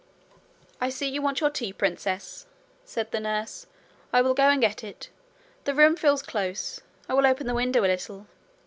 'I see you want your tea, princess,' said the nurse: 'I will go and get it. The room feels close: I will open the window a little.